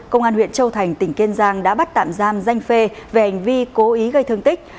công an huyện châu thành tỉnh kiên giang đã bắt tạm giam danh phê về hành vi cố ý gây thương tích